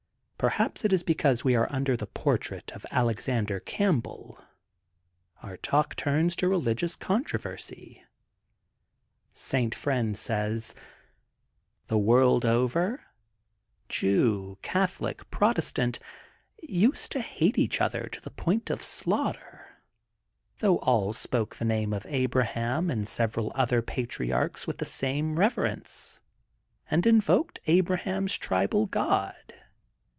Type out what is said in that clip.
Perhaps it is because we are xmder the portrait of Alexander Campbell our talk turns to religious controversy. St. Friend says: The world over, Jew, Catholic, Protes tant, used to hate each other to the point of slaughter, though all spoke the name of Abraham and several other patriarchs with the same reverence, and invoked Abraham's tribal God.